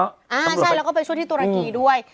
อ่าใช่แล้วก็ไปช่วยที่ตุรกีด้วย